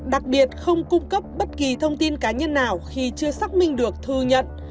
đặc biệt không cung cấp bất kỳ thông tin cá nhân nào khi chưa xác minh được thư nhận